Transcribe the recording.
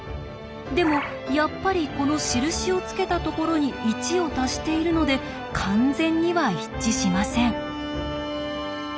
でもやっぱりこの印をつけたところに１を足しているので完全には一致しません。